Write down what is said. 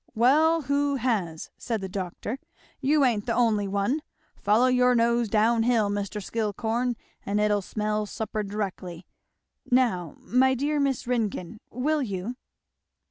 "Well who has?" said the doctor; "you ain't the only one. Follow your nose down hill, Mr. Skillcorn, and it'll smell supper directly. Now, my dear Miss Ringgan! will you?"